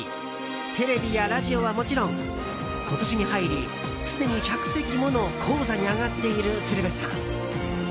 テレビやラジオはもちろん今年に入りすでに１００席もの高座に上がっている鶴瓶さん。